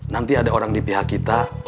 nanti ada orang di pihak kita